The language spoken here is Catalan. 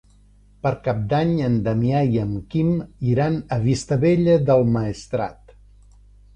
Per Cap d'Any en Damià i en Quim iran a Vistabella del Maestrat.